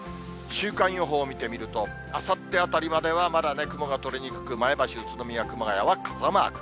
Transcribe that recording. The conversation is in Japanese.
週間予報を見てみると、あさってあたりまでは、まだ雲が取れにくく、前橋、宇都宮、熊谷は傘マーク。